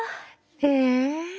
へえ！